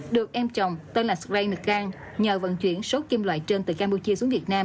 được em chồng tên là srein ngan nhờ vận chuyển số kim loại trên từ campuchia xuống việt nam